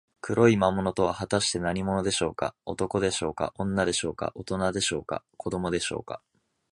黒い魔物とは、はたして何者でしょうか。男でしょうか、女でしょうか、おとなでしょうか、子どもでしょうか。